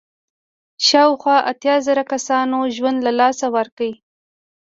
شاوخوا اتیا زره کسانو ژوند له لاسه ورکړ.